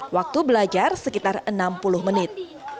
waktu belajar sekitar enam puluh menit